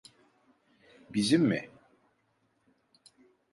Bizim mi?